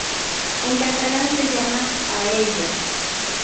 En catalán se llama paella.